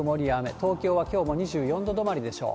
東京はきょうも２４度止まりでしょう。